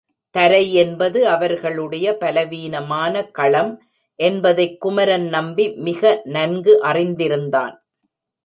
தரை என்பது அவர்களுடைய பலவீனமான களம் என்பதைக் குமரன் நம்பி மிக நன்கு அறிந்திருந்தான்.